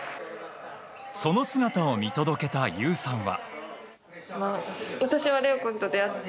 その姿を見届けた優さんは。